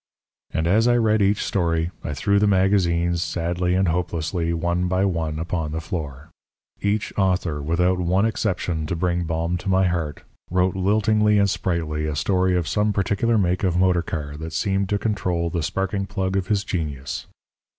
And as I read each story, I threw the magazines sadly and hopelessly, one by one, upon the floor. Each author, without one exception to bring balm to my heart, wrote liltingly and sprightly a story of some particular make of motor car that seemed to control the sparking plug of his genius.